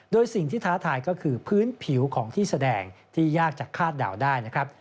โดยสิ่งที่ท้าทายก็คือพื้นผิวของที่แสดงที่ยากจากคาดเดาได้นะครับ